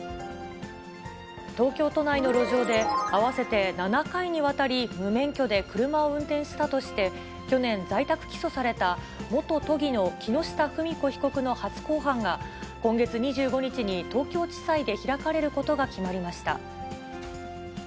東京都内の路上で、合わせて７回にわたり無免許で車を運転したとして、去年、在宅起訴された元都議の木下富美子被告の初公判が、今月２５日に東京地裁で開かれることが決まりました。